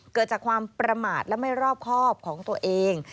เกิดจากความประมาทและไม่รอบครอบของตัวเอง